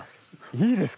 いいですか？